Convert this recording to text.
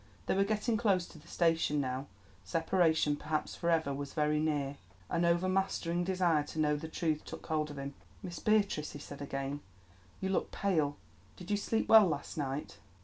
They were getting close to the station now. Separation, perhaps for ever, was very near. An overmastering desire to know the truth took hold of him. "Miss Beatrice," he said again, "you look pale. Did you sleep well last night?"